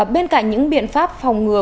bên cạnh những biện pháp phòng ngừa